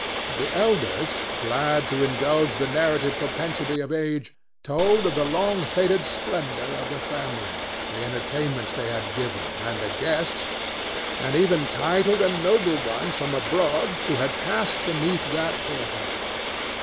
The elders, glad to indulge the narrative propensity of age, told of the long faded splendor of the family, the entertainments they had given and the guests, the greatest of the land, and even titled and noble ones from abroad, who had passed beneath that portal.